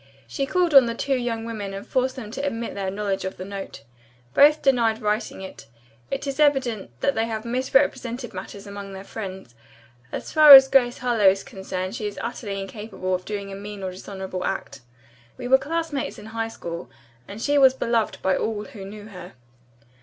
She called on the two young women and forced them to admit their knowledge of the note. Both denied writing it. It is evident that they have misrepresented matters among their friends. As far as Grace Harlowe is concerned she is utterly incapable of doing a mean or dishonorable act. We were classmates in high school and she was beloved by all who knew her."